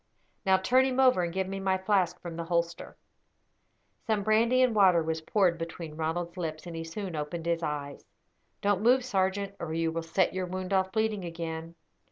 Now turn him over, and give me my flask from the holster." Some brandy and water was poured between Ronald's lips, and he soon opened his eyes. "Don't move, sergeant, or you will set your wound off bleeding again.